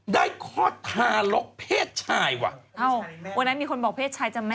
ได้คอดทารกเพศชายวะวันนั้นมีคนบอกเพศชายจะแม่น